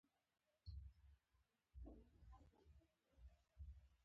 عصري تعلیم مهم دی ځکه چې د طبي پرمختګ سبب ګرځي.